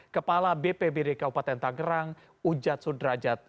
kepala bpbdk upaten tangerang ujad sudrajat